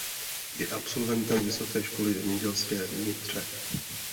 Je absolventem Vysoké školy zemědělské v Nitře.